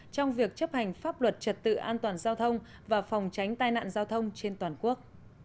trong việc chấp hành pháp luật trật tự an toàn giao thông và phòng tránh tai nạn giao thông trên toàn quốc